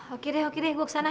oke deh oke deh bu ke sana